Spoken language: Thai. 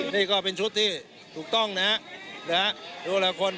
นี่ก็เป็นชุดที่ถูกต้องนะครับ